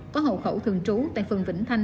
có hậu khẩu thường trú tại phần vĩnh thanh